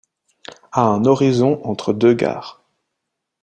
À un horizon entre deux gares.